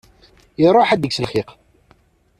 Iruḥ ad ikkes lxiq.